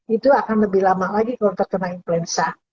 itu akan lebih lama lagi kalau terkena influenza